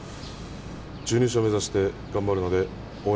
１２勝目指して頑張るので応援